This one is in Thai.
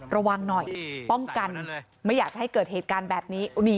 ระวังหน่อยป้องกันไม่อยากจะให้เกิดเหตุการณ์แบบนี้